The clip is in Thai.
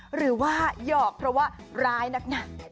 หรือว่าหยอกเพราะว่าร้ายนักนะ